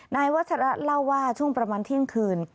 นายวัชระเล่าว่าช่วงประมาณเที่ยงคืน